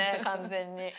完全に。